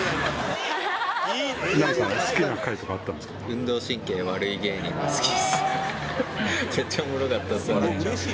運動神経悪い芸人が好きです。